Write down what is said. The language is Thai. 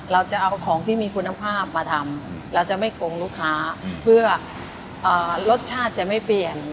เราจะเอาของที่มีคุณภาพมาทำเราจะไม่โกงลูกค้าเพื่อรสชาติจะไม่เปลี่ยน